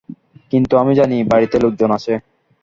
কিন্তু আমি জানি, বাড়িতে লোকজন আছে।